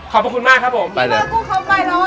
ขอบคุณมากครับผม